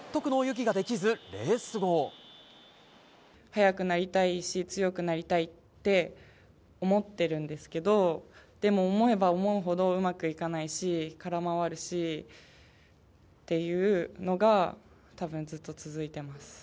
しかし、速くなりたいし、強くなりたいって思ってるんですけど、でも思えば思うほどうまくいかないし、空回るしっていうのが、たぶん、ずっと続いてます。